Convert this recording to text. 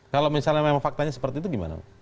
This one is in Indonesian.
kalau misalnya memang faktanya seperti itu gimana